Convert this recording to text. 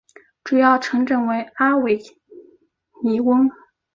主要城镇为阿维尼翁。